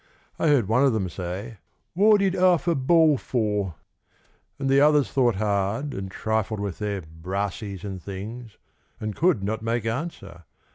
I heard one of them say "Why did Arthur Bawl Fore?" And the others thought hard, And trifled with their brassies and things, And could not make answer.